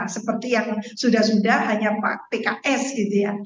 seperti yang sudah sudah hanya pak pks gitu ya